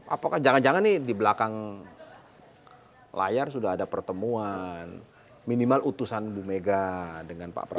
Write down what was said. apakah jangan jangan nih di belakang layar sudah ada pertemuan minimal utusan bu mega dengan pak prabowo